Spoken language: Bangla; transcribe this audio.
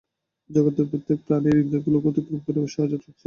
জগতের প্রত্যেক প্রাণীর ইন্দ্রিয়গুলিকে অতিক্রম করিবার সহজাত শক্তি রহিয়াছে।